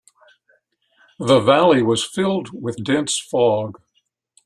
The valley was filled with dense fog.